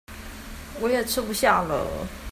我也吃不下了